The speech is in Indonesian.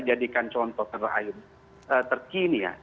jadikan contoh terakhir terkini ya